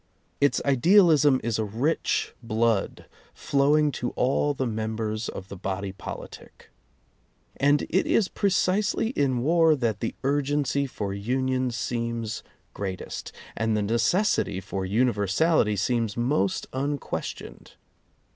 Its idealism is a rich blood flowing to all the mem bers of the body politic. And it is precisely in war that the urgency for union seems greatest, and the necessity for universality seems most unques tioned.